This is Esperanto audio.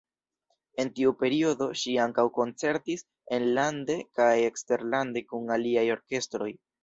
En tiu periodo ŝi ankaŭ koncertis enlande kaj eksterlande kun aliaj orkestroj.